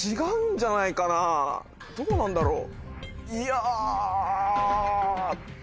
どうなんだろう。